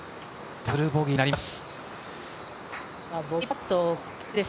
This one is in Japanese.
ダブルボギーになります。